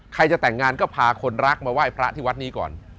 ใครจะแต่งงานก็พาคนรักมาไหว้พระที่วัดนี้ก่อน